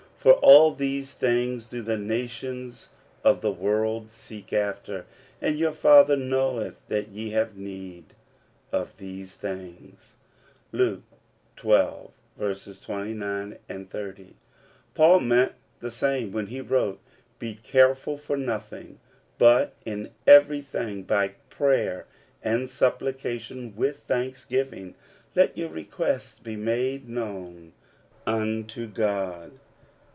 For all these things do the nations of the world seek after ; and your Father knoweth that ye have need of these things*' (Luke xii, 29, 30). Paul meant the same when he wrote, "Be careful for nothing; but in everything by prayer and supplication with thanksgiving let your requests be made known unto God.